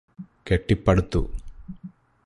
കെട്ടിപ്പടുത്തു